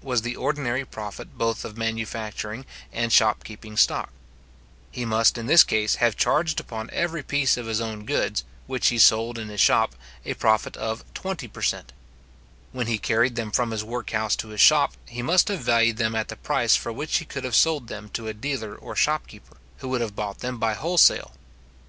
was the ordinary profit both of manufacturing and shopkeeping stock; he must in this case have charged upon every piece of his own goods, which he sold in his shop, a profit of twenty per cent. When he carried them from his workhouse to his shop, he must have valued them at the price for which he could have sold them to a dealer or shopkeeper, who would have bought them by wholesale.